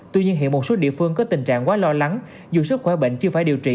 tuy nhiên hiện một số địa phương có tình trạng quá lo lắng dù sức khỏe bệnh chưa phải điều trị